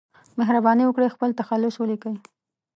مهرباني وکړئ خپل تخلص ولیکئ